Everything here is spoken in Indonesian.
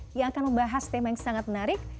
yang akan membahas tema yang sangat menarik